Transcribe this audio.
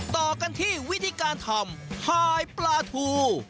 ต่อกันที่วิธีการทำพายปลาทู